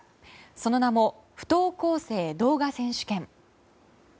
その名も、不登校生動画選手権。